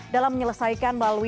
dalam menyelesaikan balasan korupsi